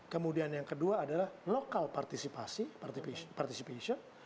kemudian yang kedua adalah local partisipasi participation